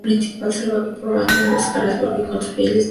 Salvado por Batman, Dos Caras vuelve con Sofía y le dispara a muerte.